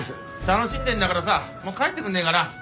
楽しんでんだからさもう帰ってくんねえかな。